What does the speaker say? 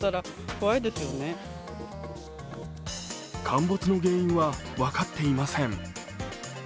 陥没の原因は分かっていません。